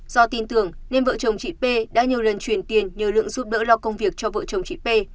do tin tưởng nên vợ chồng chị p đã nhiều lần truyền tiền nhờ lượng giúp đỡ lo công việc cho vợ chồng chị p